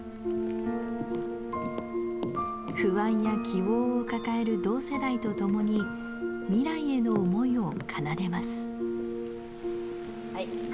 不安や希望を抱える同世代と共に未来への思いを奏でます。